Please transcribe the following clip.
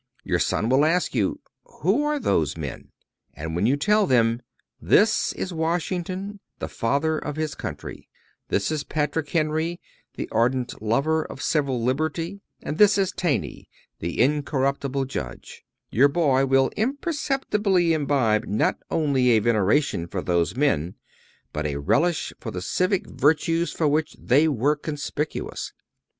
Your son will ask you: "Who are those men?" And when you tell him: "This is Washington, the Father of his Country; this is Patrick Henry, the ardent lover of civil liberty; and this is Taney, the incorruptible Judge," your boy will imperceptibly imbibe not only a veneration for those men, but a relish for the civic virtues for which they were conspicuous.